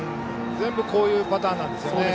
全部、こういうパターンですね。